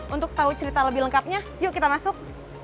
untuk tahu cerita lebih lengkapnya yuk kita masuk